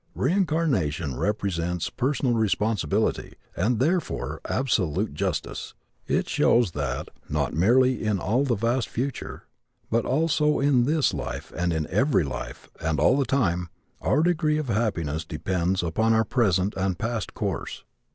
Reincarnation represents personal responsibility and therefore absolute justice. It shows that, not merely in all the vast future, but also in this life and in every life, and all the time, our degree of happiness depends upon our present and past course.